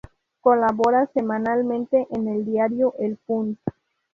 Colabora semanalmente en el diario El Punt.